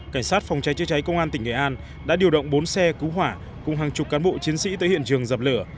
cảnh sát phòng cháy chữa cháy công an tỉnh nghệ an đã điều động bốn xe cứu hỏa cùng hàng chục cán bộ chiến sĩ tới hiện trường dập lửa